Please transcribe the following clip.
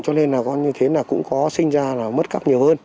cho nên là coi như thế là cũng có sinh ra là mất cấp nhiều hơn